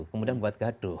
kemudian buat gaduh